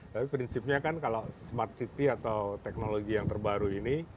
tapi prinsipnya kan kalau smart city atau teknologi yang terbaru ini